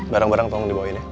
barang barang tolong dibawain ya